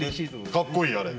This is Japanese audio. かっこいいあれ。